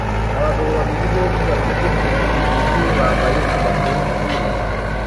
Abagabo babiri bombi bafite umusatsi wijimye bambaye amakositimu